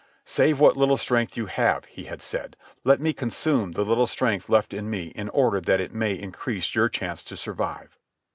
"Save what little strength you have," he had said. "Let me consume the little strength left in me in order that it may increase your chance to survive."